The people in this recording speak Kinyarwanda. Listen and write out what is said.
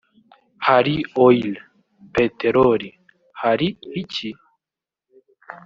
hari Oil (peteroli) hari iki